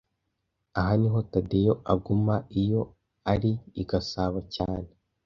Aha niho Tadeyo aguma iyo ari i Gasabo cyane